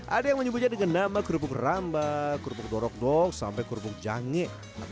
ada yang menyebutnya dengan nama kerupuk rambak kerupuk dorok dok sampai kerupuk jangik tapi